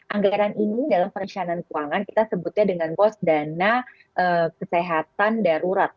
anggaran ini dalam perencanaan keuangan kita sebutnya dengan pos dana kesehatan darurat